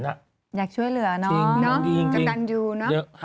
อยากช่วยเหลือจังกันอยู่